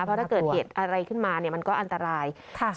เพราะถ้าเกิดเหตุอะไรขึ้นมาเนี่ยมันก็อันตราย